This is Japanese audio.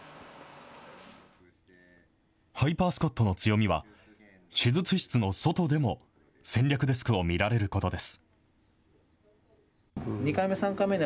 ハイパー・スコットの強みは、手術室の外でも、戦略デスクを見られることです。